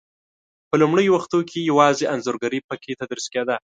په لومړنیو وختو کې یوازې انځورګري په کې تدریس کېده.